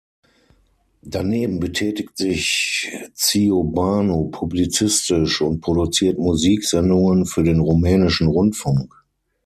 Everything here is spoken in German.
Daneben betätigt sich Ciobanu publizistisch und produziert Musiksendungen für den rumänischen Rundfunk.